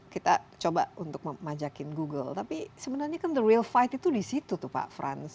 kita coba untuk memajakin google tapi sebenarnya kan the real fight itu di situ tuh pak frans